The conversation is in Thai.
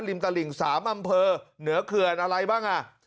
ริมตระหลิงสามอำเภอเนื้อเคือนอะไรบ้างอ่ะ